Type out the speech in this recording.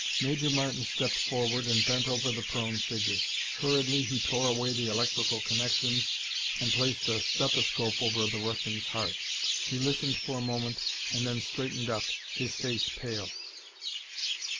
Major Martin stepped forward and bent over the prone figure. Hurriedly he tore away the electrical connections and placed a stethoscope over the Russian's heart. He listened for a moment and then straightened up, his face pale.